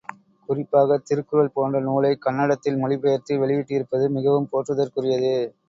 குறிப்பாகத் திருக்குறள் போன்ற நூலை, கன்னடத்தில் மொழிபெயர்த்து வெளியிட்டிருப்பது மிகவும் போற்றுதற் குரியது.